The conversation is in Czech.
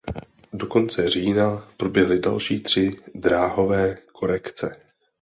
Do konce října proběhly další tři dráhové korekce.